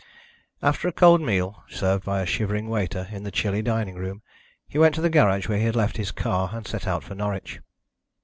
After a cold meal served by a shivering waiter in the chilly dining room he went to the garage where he had left his car, and set out for Norwich.